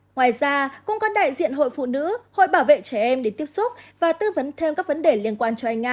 ngoài ra cũng có đại diện hội phụ nữ hội bảo vệ trẻ em để tiếp xúc và tư vấn thêm các vấn đề liên quan cho anh nga